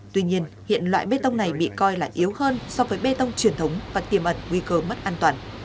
tuy nhiên hiện loại bê tông này bị coi là yếu hơn so với bê tông truyền thống và tiềm ẩn nguy cơ mất an toàn